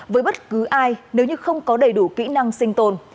với bất cứ ai nếu như không có đầy đủ kỹ năng sinh tồn